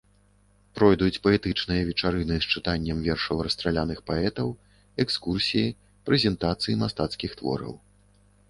Пройдуць паэтычныя вечарыны з чытаннем вершаў расстраляных паэтаў, экскурсіі, прэзентацыі мастацкіх твораў.